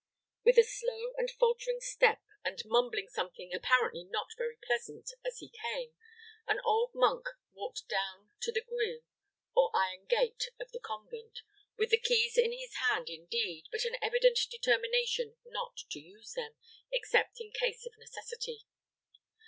With a slow and faltering step, and mumbling something, apparently not very pleasant, as he came, an old monk walked down to the grille or iron gate of the convent, with the keys in his hand indeed, but an evident determination not to use them, except in case of necessity.